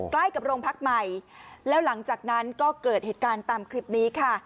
ใกล้กับโรงพักใหม่แล้วหลังจากนั้นก็เกิดเหตุการณ์ตามคลิปนี้ค่ะ